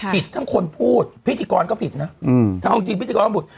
ผิดทั้งคนพูดพิธีกรก็ผิดนะถ้าเอาจริงพิธีกรก็พูด